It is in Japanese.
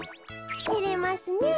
てれますねえ。